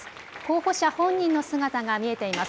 候補者本人の姿が見えています。